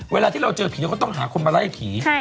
เวลาที่เราเจอผีเราก็ต้องหาคนมาไล่ผี